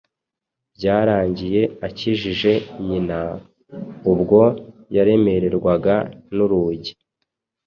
byarangiye akijije nyina, ubwo yaremererwaga n’urugi